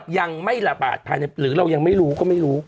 ยังไม่ระบาดภายในหรือเรายังไม่รู้ก็ไม่รู้